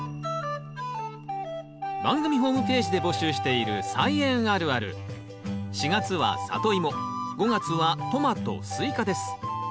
番組ホームページで募集している４月は「サトイモ」５月は「トマトスイカ」です。